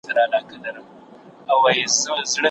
ما مخکي مځکي ته کتلې وې.